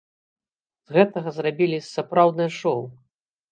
З гэтага зрабілі сапраўднае шоў!